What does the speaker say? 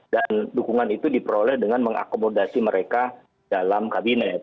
dan dukungan itu diperoleh dengan mengakomodasi mereka dalam kabinet